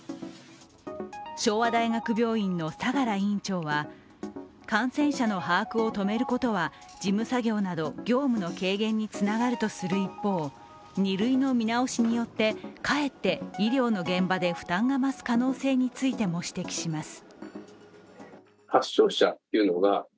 昭和大学病院の相良院長は感染者の把握を止めることは事務作業など業務の軽減につながるとする一方、２類の見直しによって、かえって医療の現場で負担が増す可能性についても指摘します。